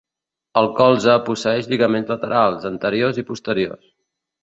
El colze posseeix lligaments laterals, anteriors i posteriors.